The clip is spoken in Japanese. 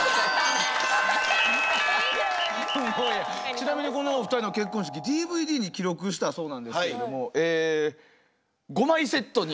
ちなみにこのお二人の結婚式ＤＶＤに記録したそうなんですけれども５枚セットに。